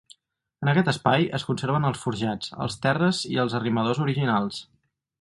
En aquest espai es conserven els forjats, els terres i els arrimadors originals.